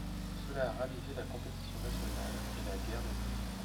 Cela a ravivé la compétition nationale, et la guerre des prix.